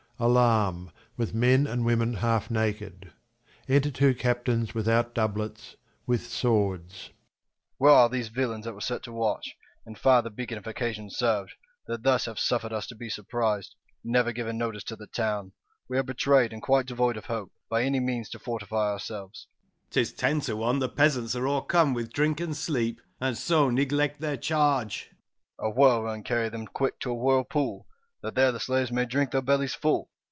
Alarm, with men and women half naked : Enter two Captains 'without doublets, with swords* First C. Where are these villains that were set to watch, And fire the beacon, if occasion serv'd, That thus have sufFer'd us to be surprised, And never given notice to the town ? We are betray' d, and quite devoid of hope, 5 By any means to fortify ourselves. Second C. 'Tis ten to one the peasants are o'ercome with drink and sleep, and so neglect their charge. ioo KING LEIR AND [Acr V First C. A whirl wind carry them quick to a whirl pool, That there the slaves may drink their bellies full.